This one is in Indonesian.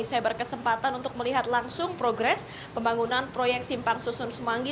saya berkesempatan untuk melihat langsung progres pembangunan proyek simpang susun semanggi